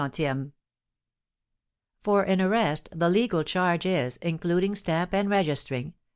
_ "For an arrest, the legal charge is, including stamp and registering, 3_f.